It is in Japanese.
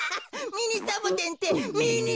ミニサボテンって！